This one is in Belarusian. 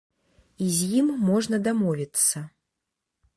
І з ім можна дамовіцца.